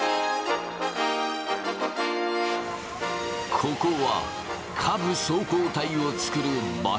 ここは下部走行体を作る場所。